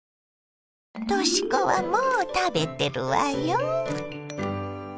とし子はもう食べてるわよ。